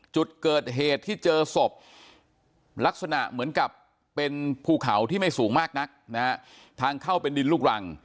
จุดเกิดเหตุที่เจอศพลักษณะเหมือนกับเป็นภูเขาที่ไม่สูงมากนักนะฮะทางเข้าเป็นดินลูกรัง